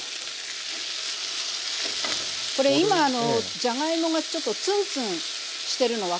これ今じゃがいもがちょっとツンツンしてるの分かりますかね？